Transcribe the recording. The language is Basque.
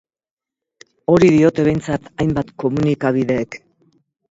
Hori diote behintzat hainbat komunikabidek.